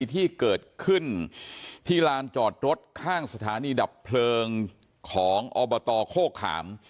ที่เกิดขึ้นที่ลานจอดรถข้างสถานีดับเพลิงของอบตโคขาม